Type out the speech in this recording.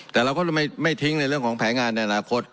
แต่เราก็ไม่ทิ้งในเรื่องของแผนงานในอนาคต